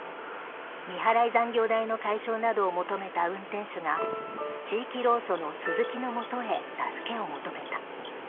未払い残業代の解消などを求めた運転手が地域労組の鈴木のもとへ助けを求めた。